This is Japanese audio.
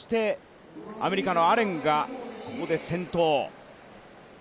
アメリカのアレンがここで先頭。